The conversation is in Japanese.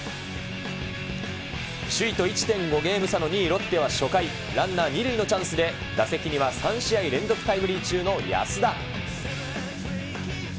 首位と１．５ゲーム差の２位ロッテは初回、ランナー２塁のチャンスで打席には３試合連続タイムリー中の安田。